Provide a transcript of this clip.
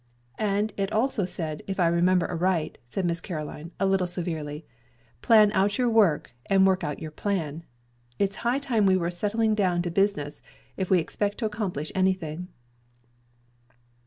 "And it also said, if I remember aright," said Miss Caroline, a little severely, "'Plan out your work, and work out your plan.' It's high time we were settling down to business, if we expect to accomplish anything."